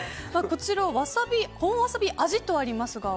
こちら本わさび味とありますが。